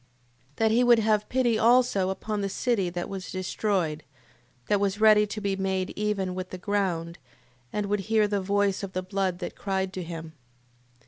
That he would have pity also upon the city that was destroyed, that was ready to be made even with the ground, and would hear the voice of the blood that cried to him: 8:4.